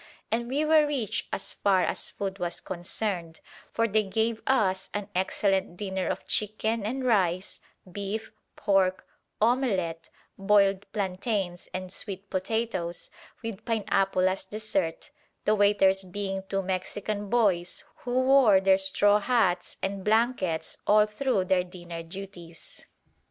And we were rich as far as food was concerned, for they gave us an excellent dinner of chicken and rice, beef, pork, omelette, boiled plantains and sweet potatoes, with pineapple as desert, the waiters being two Mexican boys who wore their straw hats and blankets all through their dinner duties.